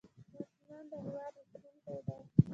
ماشومان د هېواد راتلونکی دی